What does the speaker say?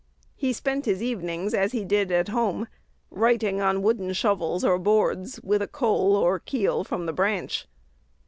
He spent his evenings as he did at home, writing on wooden shovels or boards with "a coal, or keel, from the branch."